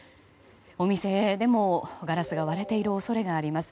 お店でも、ガラスが割れている恐れがあります。